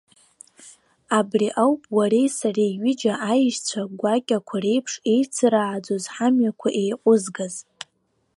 Абри ауп уареи сареи ҩыџьа аишьцәа гәакьақәа реиԥш еицырааӡоз ҳамҩақәа еиҟәызгаз.